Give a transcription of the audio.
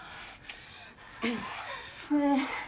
ねえ。